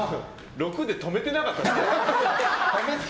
６で止めてなかった？